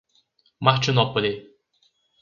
Martinópole